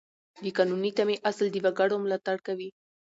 د قانوني تمې اصل د وګړو ملاتړ کوي.